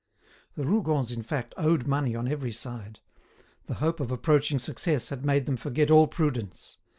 The Rougons, in fact, owed money on every side. The hope of approaching success had made them forget all prudence.